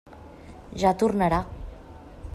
Ja tornarà.